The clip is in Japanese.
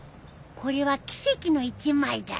これは奇跡の一枚だよ。